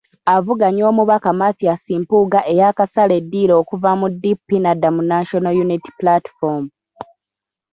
Avuganya Omubaka Mathias Mpuuga eyaakasala eddiiro okuva mu DP n'adda mu National Unity Platform.